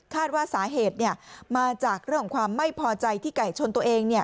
ว่าสาเหตุมาจากเรื่องของความไม่พอใจที่ไก่ชนตัวเอง